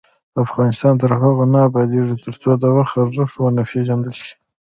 افغانستان تر هغو نه ابادیږي، ترڅو د وخت ارزښت ونه پیژندل شي.